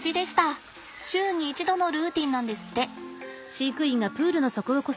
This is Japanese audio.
週に一度のルーティンなんですって。